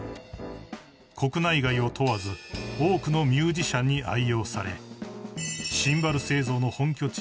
［国内外を問わず多くのミュージシャンに愛用されシンバル製造の本拠地